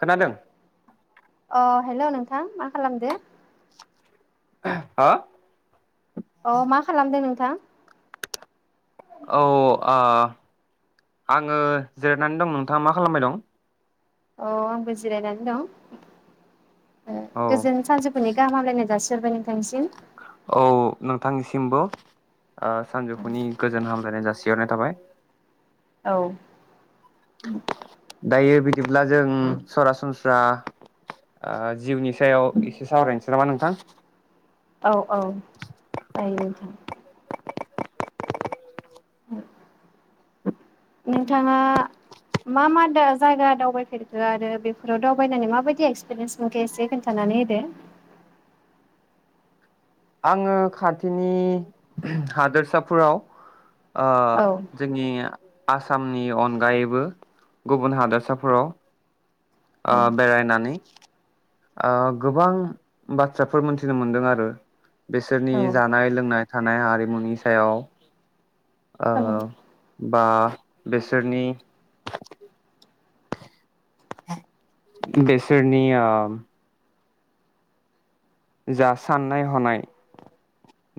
खोनादों अ हेलौ नोंथां मा खालामदो? हा अ मा खालामदों नोंथां? औ ओ आङो जिरनानै दं। नोंथाङा मा खालामबाय दं? औ आंबो जिरायनानै दं। ओ औ गोजोन सानजो फुंनि गाहाम हामलायनाय जासि हरबाय नोंथांनिसिम। औ नोंथांनिसिमबो ओ सानजौफुनि गोजोन हामलायनाय जासि हरनाय थाबाय। औ उम दायो बिदिब्ला जों सरासनस्रा ओ जिउनि सायाव एसे सावरायनोसै नामा नोंथां? औ औ जायो नोंथां। नोंथाङा मा मा दा जायगा दावबायफेरखो आरो बेफोराव दावबायनानै माबायदि एक्सपिरियेन्स मोनखो एसे खोन्थानानै होदो आङो खाथिनि हादोरसाफोराव ओ औ जोंनि आसामनि अनगायैबो गुबुन हादरसाफोराव ओ औ बेरायनानै ओ गोबां बाथ्राफोर मोनथिनो मोनदों आरो। बेसोरनि औ जानाय लोंनाय थानाय हारिमुनि सायाव ओ उम बा बेसोरनि बेसोरनिया जा साननाय हनाय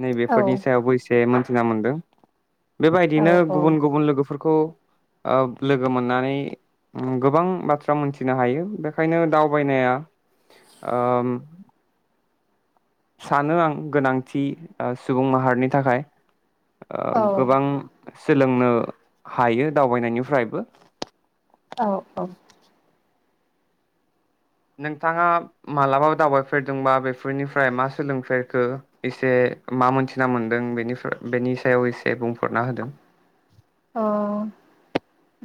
नै औ बेफोरनि सायावबो इसे मोन थिना मोनदों। औ बेबायदिनो गुबुन गुबुन लोगोफोरखौ ओ लोगो मोननानै गोबां बाथ्रा मोनथिनो हायो बेखायनो दावबायनाया ओम सानो आं गोनांथि ओ सुबुं माहारिनि थाखाय। ओ औ गोबां सोलोंनो हायो दावबायनायनिफ्रायबो औ औ नोंथाङा मालाबा दावबायफेरदोंबा बेफोरनिफ्राय मा सोलोंफेरखो एसे मा मोनथिना मोनदों बेनिफ्राय बेनि सायाव एसे बुं। अ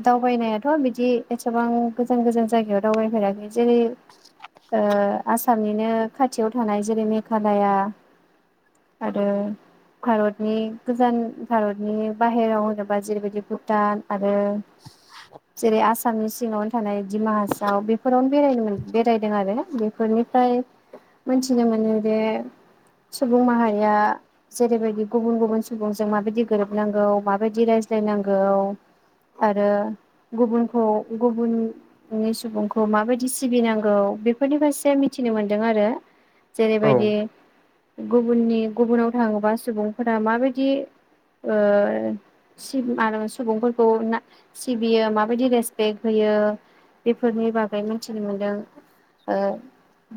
दावबायनायाथ बिदि एसेबां गोजान गोजान जायगायाव दावबायफेराखै। जेरै ओ आसामनिनो खाथियाव थानाय जेरै मेघालया आरो भारतनि गोजान भारत बि बाहेराव होनोबा जेरैबायदि भुटान आरो जेरै आ आसामनि सिङावनो थानाय दिमाहासाव बे फोरावनो बेरायनो बेरायदों आरो बे फोरनिफ्राय मोनथिनो मोनो जे सुबुं माहारिया जेरैबायदि गुबुन गुबुन सुबुंजों माबायदि गोरोबनांगौ माबायदि रायज्लायनांगौ आरो गुबुनखौ गुबुननि सुबुंखौ माबायदि सिबिनांगौ बेफोरनि फारसे से मिथिनो मोनदों आरो औ जेरैबायदि गुबुननि गुबुनाव थाङोबा सुबुंफोरा माबायदि ओ सिम आरो सुबुंफोरखौ ना सिबियो माबायदि रेसपेक्ट होयो बेफोरनि बागै मिथिनो मोनदों ओ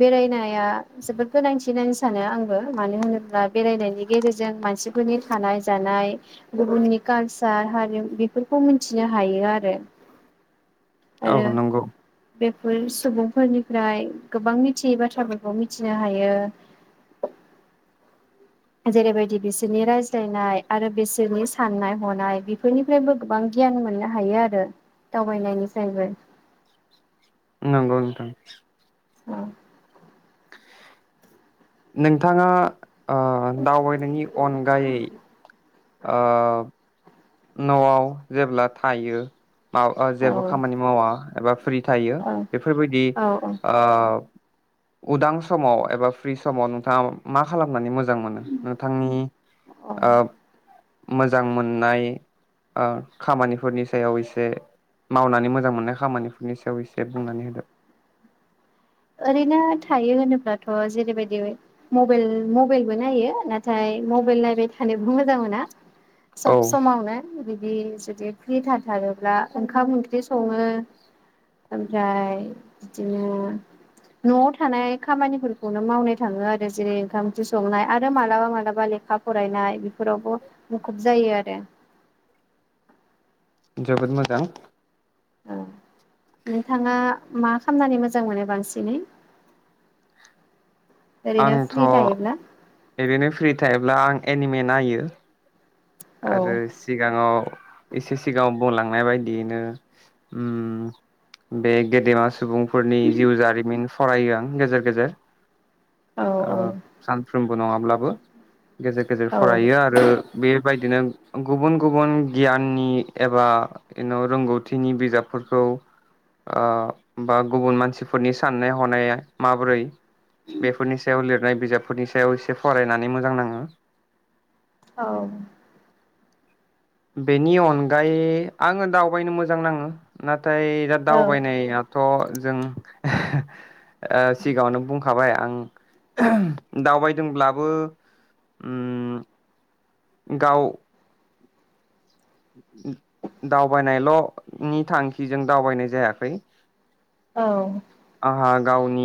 बेरायनाया जोबोद गोनांथि होननानै सानो आंबो मानो होनोब्ला बेरायनायनि गेजेरजों मानसिफोरनि थानाय जानाय गुबुननि कालचार हारिम बेफोरखौ मिथिनो हायो आरो औ आरो नंगौ बेफोर सुबुंफोरनिफ्राय गोबां मिथियै बाथ्राफोरखौ मिथिनो हायो जेरैबायदि बिसोरनि रायज्लायनाय आरो बिसोरनि साननाय हनाय बेफोरनिफ्रायबो गोबां गियान मोननो हायो आरो दावबायनायनि फ्रायबो नंगौ नोंथां औ नोंथाङा ओ दावबायनायनि अनगायै आ न'आव जेब्ला थायो माबा औ जेबो खामानि मावा एबा फ्रि थायो औ बेफोरबायदि औ ओ उदां समाव एबा फ्रि समाव नोंथाङा मा खालामनानै मोजां मोजां मोनो नोंथांनि औ ओ मोजां मोननाय ओ खामानिफोरनि सायाव एसे मावनानै मोजां मोननाय खामानिफोरनि सायाव एसे बुंनानै होदो थ' जेरैबायदि मबेइल मबाइलबो नायो नाथाय मबाइल नायबाय थानोबो मोजां मोना सब औ समावनो बि बि जुदि फ्रि थाथारोब्ला ओंखाम ओंख्रि सङो ओमफ्राय बिदिनो न'आव थानाय खामानिफोरखौनो मावनो थाङो आरो जेरै ओंखाम ओंख्रि संनाय आरो मालाबा मालाबा लेखा फरायनाय बेफोरावबो मुखुब जायो आरो जोबोद मोजां औ नोंथाङा मा खामनानै मोजां मोनो बांसिनै ओरैनो आंथ' फ्रि थायोब्ला ओरैनो फ्रि थायोब्ला आं एनिमे नायो औ आरो सिगाङाव एसे सिगाङाव बुंलांनाय बायदियैनो ओम बे गेदेमा सुबुंफोरनि जिउ जारिमिन फरायो आं गेजेर गेजेर औ आ औ सानफ्रोम बो नङाब्लाबो गेजेर गेजेर औ फरायो आरो बे बेबायदिनो गुबुन गुबुन गियाननि एबा रोंगौथिनि बिजाबफोरखौ ओ बा गुबुन मानसिफोरनि साननाय हनाया माबोरै बेफोरनि सायाव लिर नाय बिजाबफोरनि सायाव एसे फरायनानै मोजां नाङो औ बेनि अनगायै आङो दावबायनो मोजां नाङो ना थाय दा औ दावबायनायाथ' जों [unintelligible] ओ सिगाङावनो बुं खाबाय आं दावबायदोंब्लाबो उम गाव दावबायनायल'नि थांखिजों दावबायनाय जायाखै औ आंहा गावनि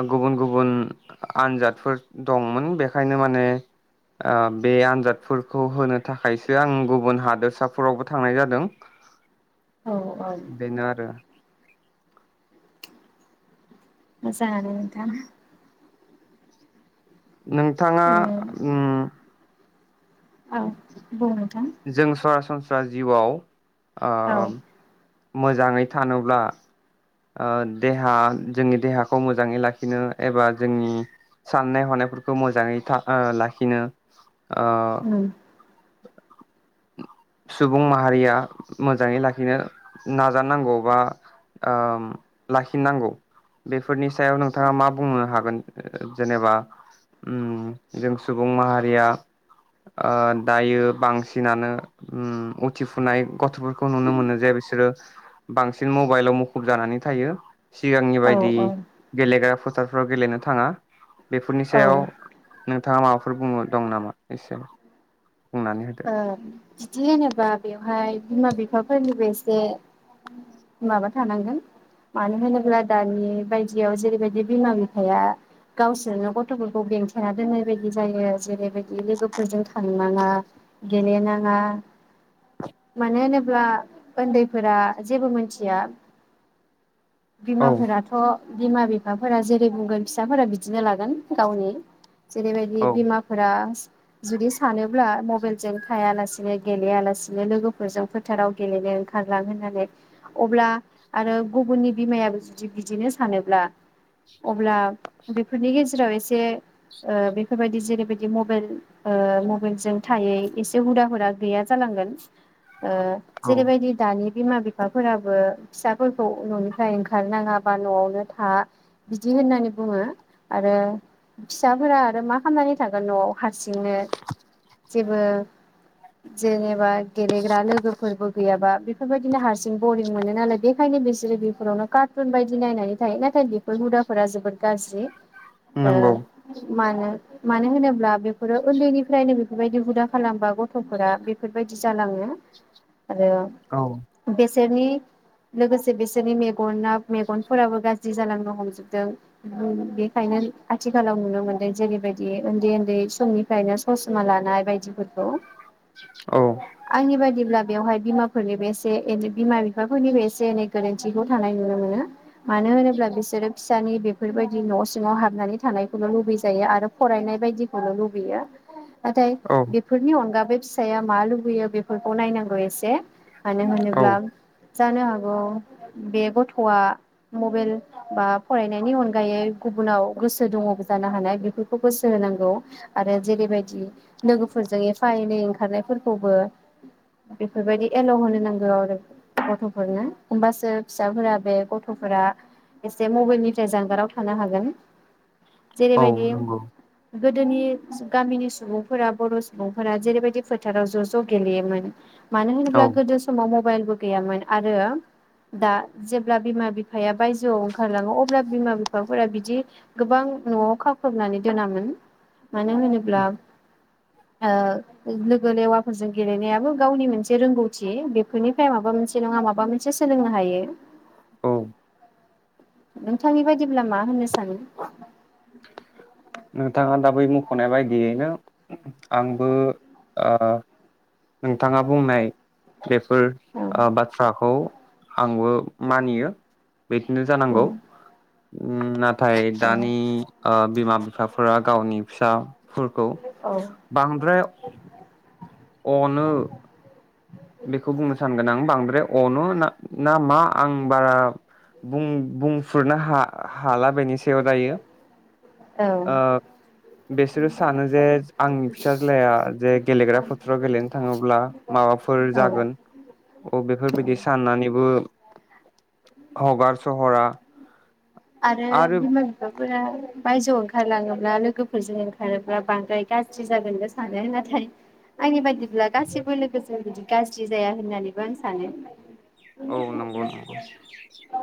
आ गुबुन गुबुन आनजादफोर दंमोन बेखायनो माने ओम बे आनजादफोरखौ होनो थाखायसो आं गुबुन हादोरसाफोरावबो थांनाय जादों औ औ बेनो आरो मोजांआनो नोंथां नोंथाङा ओ उम आ बुं [unintelligible] जों सरासनस्रा जिउआव आ औ आम मोजाङै थानोब्ला ओ देहा जोंनि देहाखौ मोजाङै लाखिनो एबा जोंनि साननाय हनायफोरखौ मोजाङै था ओ लाखिनो आ उम सुबुं माहारिया मोजाङै लाखिनो नाजानांगौ बा ओ लाखिनांगौ बेफ फोरनि सायाव नोंथाङा मा बुंनो हागोन ओ जेनेबा उम जों सुबुं माहारिया आ दायो बांसिनानो उम उथिफुनाय गथ'फोरखौ नुनो मोनो जे बिसोरो बांसिन मबाइलाव मुखुब जानानै थायो सिगांनि औ बायदि औ गेलेग्रा फो थारफ्राव गेलेनो थाङा बेफोरनि औ ओ सायाव नो थाङा माबाफोर बुंनो दं नामा एसे बुंनानै होदो ओ बिदि होबा बेवहाय बिमा बिफाफोरनिबो एसे माबा थानांगोन। मानो होनोब्ला दानि बायदियाव जेरैबायदि बिमा बिफाया गावसोरनो गथफोरखौ बेंथेना दोननाय बायदि जायो। जेरैबायदि लोगोफोरजों थांनाङा गेलेनाङा मानो होनोब्ला ओन्दैफोरा जेबो मोनथिया औ बिमाफोराथ' बिमा बिफाफोरा जेरै बुंगोन फिसाफोरा बिदिनो लागोन गावनि जेरैबायदि औ बिमाफोरा जुदि सानोब्ला मबेल जों थायालासेनो गेलेया लासिनो लोगोफोरजों फोथाराव गेलेनो ओंखारलां होननानै अब्ला आरो गुबुननि बिमायाबो जुदि बिदिनो सानोब्ला अब्ला बेफोरनि गेजेराव एसे ओ बेफोरबायदि जेरैबायदि मबेल ओ मबेलजों थायै एसे हुदा हुरा गैया जालांगोन ओ औ जेरैबायदि दानि बिमा बिफाफोराबो फिसाफोरखौ न'निफ्राय ओंखारनाङा बा न'आवनो था बिदि होननानै बुङो आरो फिसाफोरा आरो मा खामनानै थागोन न'आव हारसिंनो जेबो जेनेबा गेलेग्रा लोगोफोरबो गैयाबा बेफोरबायदिनो हारसिं बरिं मोनो नालाय। बेखायनो बिसोरो बेफोरावनो कार्टुन बायदि नायनानै थायो नाथाय बेफोर हुदाफोरा जोबोद गाज्रि। नंगौ ओ मानो मानो होनोब्ला बेफोरो उन्दैनिफ्रायनो बेफोरबायदि हुदा खालामबा गथफोरा बेफोर बायदि जालाङो। आरो औ बेसे बिसोरनि लोगोसे बिसोरनि मेगना मेगनफोराबो गाज्रि जालांनो हमजोबदों। बेखायनो आथिखालाव नुनो मोनदों जेरैबायदि उन्दै उन्दै समनिफ्रायनो ससमा लानाय बायदिफोर। खौ औ आंनि बायदिब्ला बेवहाय बिमाफोरनिबो एसे बिमा बिफाफोरनिबो एसे एनै गोरोन्थिखौ थानाय नुनो मोनो। मानो होनोब्ला बिसोरो फिसानि बेफोरबायदि न सिङाव हाबनानै थानायखौल लुबैजायो आरो फरायनाय बायदिखौल लुबैयो। नाथाय औ बिब बिनि अनगा बे फिसाया मा लुबैयो बेफोरखौ नायनांगौ एसे। मानो औ हानोब्ला जानो हागौ बे गथया मबाइल बा फरायनायनि अनगायै गुबुनाव गोसो दङबो जानो हानाय बेफोरखौ गोसो होनांगौ आरो जेरैबायदि लोगो फोरजों एफा एनै ओंखारनायफोरखौबो बेफोरबायदि एलौ होनो नांगौ आरो। गथफोरनो होमबासो फिसाफोरा बे गथ'फोरा एसे मबाइलनिफ्राय जानगाराव थानो हागोन औ जेरैबायदि नंगौ गोदोनि गामिनि सुबुंफोरा बर' थफोरा जेरैबायदि फोथाराव ज ज गेलेयोमोन। मानो औ होनोब्ला गोदो समाव मबाइलबो गैयामोन आरो दा जेब्ला बिमा बिफाया बायजोआव ओंखारलाङो अब्ला बिमा बिफाफोरा बिदि गोबां नआव खाख्रबनानै दोनामोन। मानो होनोब्ला ओ लोगो लेवाफोरजों गेलेनायाबो गावनि मोनसे रोंगौथि बेफोरनिफ्राय माबा मोनसे नङा माबा मोनसे सोलोंनो हायो। औ नोंथांनि बायदिब्ला मा होननो सानो?? नोंथाङा दा बै मखनाय बायदियैनो आंबो ओ नोंथाङा बुंनाय बेफोर औ ओ बाथ्राखौ आंबो मानियो बिखोनो औ जानांगौ ओम ना थाय औ दानि ओ बिमा बिफाफोरा गावनि फिसा फोरखौ बांद्राय अनो। बेखौ बुंनो सानगोन आं बांद्राय अनो ना नामा आं बारा बुं बुंफुरनो हा हाला बेनि सायाव दायो ओ औ बिसोरो सानो जे आंनि फिसाज्लाया जे गेलेग्रा फोथाराव गेलेनो थाङोब्ला माबा फोर औ जागोन बेफोरबादि साननानैबो [unintelligible] हरा आरो बिमा बिफाफोरा बायजोआव ओंखारलाङोब्ला लोगोफोरजों ओंखारोब्ला बांद्राय गाज्रि जागोनबो सानो नाथाय आंनि बायदि गासिबो लोगोजों गाज्रि जाया होननानैबो आं सानो औ नंगौ नंगौ [unintelligible]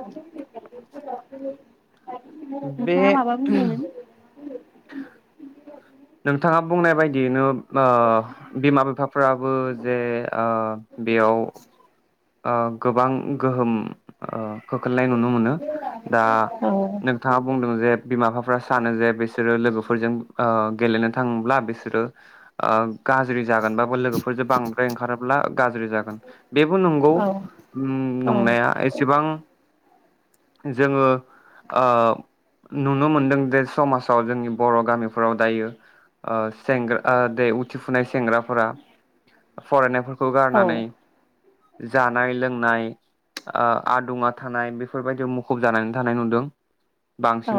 बे नोंथाङा माबा बुंदोंमोन नोंथाङा बुंनाय बायदियैनो ओ बिमा बिफाफ्राबो जे ओ बेयाव ओ गोबां गोहोम ओ खोख्लैनाय नुनो मोनो दा औ नोंथाङा बुंदों जे बिमा बिफाफ्रा सानो जे बिसोरो लोगो फोरजों ओ गेलेनो थाङोब्ला बिसोरो ओ गाज्रि जागोनबो लोगोफोरजों बांद्राय ओंखारोब्ला गाज्रि जागोन बेबो नंगौ औ औ नंनाया एसेबां जोङो ओ नुनो मोनदों जे समाजाव जोंनि बर गामिफोराव दायो सेंग्रा जे देरफुनाय सेंग्राफोरा फरायनायफोरखौ खौ औ गारनानै जानाय लोंनाय ओ आदुङा थानाय बेफोरबायदियाव मुखुब जानानै थानाय नुदों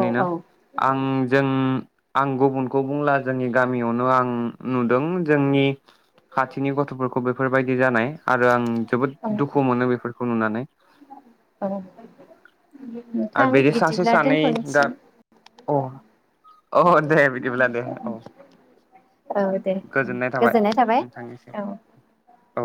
औ औ आं जों आं गुबुनखौ बुंला जोंनि गामियावनो आं नुदों जोंनि खाथिनि गथ'फोरखौ बेफोरबायदि जानाय आरो आं जोबोद दुखु मोनो बेफोरखौ नुनानै औ आरो नोंथां बिदि सासे बिदिब्ला सानै दा दोनथ'नोसै अ अ दे बिदिब्ला दे औ औ दे उ गोजोननाय थाबाय औ औ